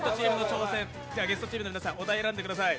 ゲストチームの皆さん、お題選んでください。